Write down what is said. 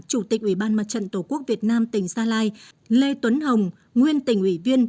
chủ tịch ủy ban mặt trận tổ quốc việt nam tỉnh gia lai lê tuấn hồng nguyên tỉnh ủy viên